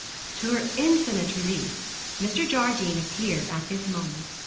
To her infinite relief, Mr. Jardine appeared at this moment.